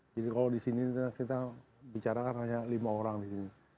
jadi kalau di sini kita bicara kan hanya lima orang di sini